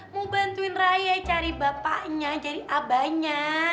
mau bantuin raya cari bapaknya cari abahnya